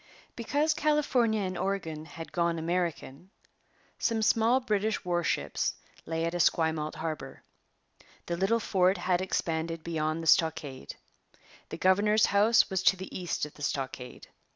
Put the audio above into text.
Because California and Oregon had gone American, some small British warships lay at Esquimalt harbour. The little fort had expanded beyond the stockade. The governor's house was to the east of the stockade.